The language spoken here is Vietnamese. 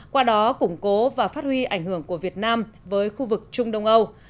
qua đó củng cố và phát huy ảnh hưởng của việt nam với khu vực trung đông âu